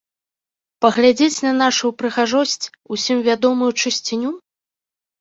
Паглядзець на нашую прыгажосць, усім вядомую чысціню?